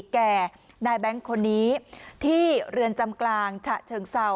แก่นายแบงค์คนนี้ที่เรือนจำกลางฉะเชิงเศร้า